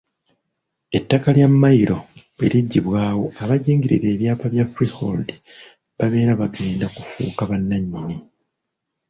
Ettaka lya Mmayiro bwe liggyibwawo, abajingirira ebyapa bya ‘Freehold’ babeera bagenda kufuuka bannannyini.